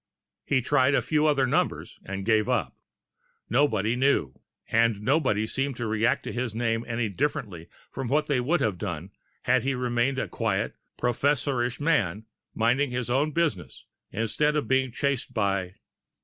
He tried a few other numbers, and gave up. Nobody knew and nobody seemed to react to his name any differently from what they would have done had he remained a quiet, professorish man, minding his own business, instead of being chased by....